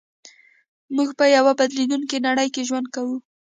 موږ په يوه بدلېدونکې نړۍ کې ژوند کوو.